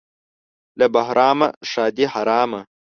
له بهرامه ښادي حرامه.